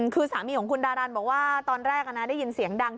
คือสามีของคุณดารันบอกว่าตอนแรกได้ยินเสียงดัง